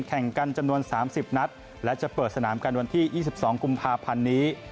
แข่งกันจำนวน๓๐นัดและจะเปิดสนามกันวันที่๒๒กุมภาพันธ์นี้